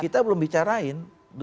kita belum bicarain